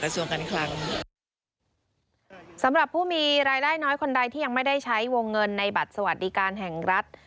ส่วนการคลังสำหรับผู้มีรายได้น้อยคนใดที่ยังไม่ได้ใช้วงเงินในบัตรสวัสดิการแห่งรัฐ